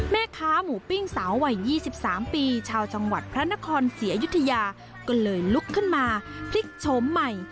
แม่ค้าหมูปิ้งสาววัย๒๓ปีชาวจังหวัดพระนครศรีอยุธยาก็เลยลุกขึ้นมาพลิกโฉมใหม่